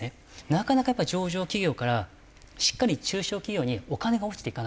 なかなか上場企業からしっかり中小企業にお金が落ちていかない。